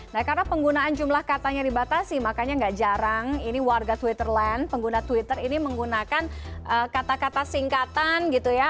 nah karena penggunaan jumlah katanya dibatasi makanya gak jarang ini warga twitterland pengguna twitter ini menggunakan kata kata singkatan gitu ya